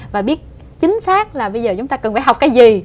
và biết chính xác là bây giờ chúng ta cần phải học cái gì